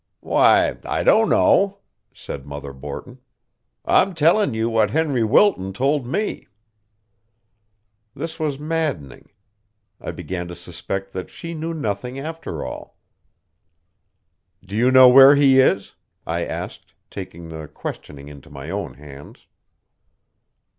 "Why, I don't know," said Mother Borton. "I'm tellin' you what Henry Wilton told me." This was maddening. I began to suspect that she knew nothing after all. "Do you know where he is?" I asked, taking the questioning into my own hands.